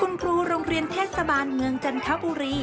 คุณครูโรงเรียนเทศบาลเมืองจันทบุรี